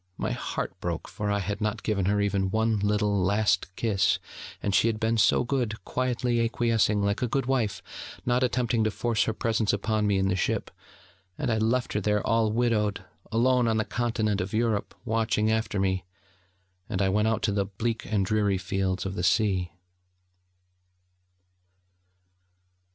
My heart broke, for I had not given her even one little, last kiss, and she had been so good, quietly acquiescing, like a good wife, not attempting to force her presence upon me in the ship; and I left her there, all widowed, alone on the Continent of Europe, watching after me: and I went out to the bleak and dreary fields of the sea.